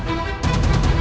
sangat meny godsarang